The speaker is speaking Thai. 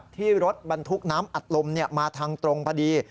ที่รถบรรทุกน้ำอัดลมมาทางตรงพอดี